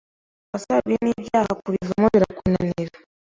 wabaswe n’ibyaha kubivamo birakunanira